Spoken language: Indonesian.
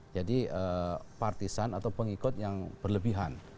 jadi partisan atau pengikut yang berlebihan